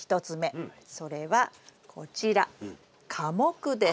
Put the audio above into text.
それはこちら科目です。